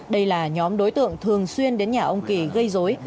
đây là nhóm đối tượng thường xuyên đến nhà ông kỳ gây dối